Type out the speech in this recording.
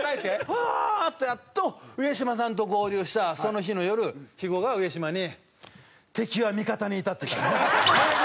はあー！ってやっと上島さんと合流したその日の夜肥後が上島に「敵は味方にいた！」って言ったの。